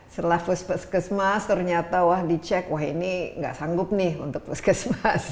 setelah puskesmas ternyata wah dicek wah ini gak sanggup nih untuk puskesmas